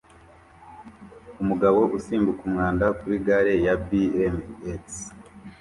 Umugabo usimbuka umwanda kuri gare ya bmx